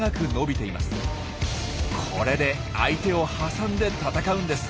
これで相手を挟んで戦うんです。